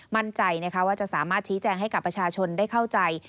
มั่นใจนะคะว่าจะสามารถชี้แจงให้กับประชาชนได้เข้าใจ